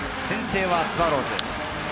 先制はスワローズ。